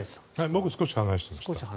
僕、少し離してました。